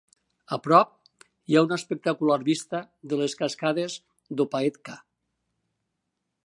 A prop, hi ha una espectacular vista de les cascades d'Opaeka'a.